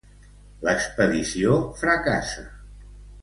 L'expedició fracassa.